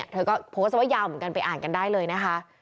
เธอก็โพสต์ไว้ยาวเหมือนกันไปอ่านกันได้เลยนะคะ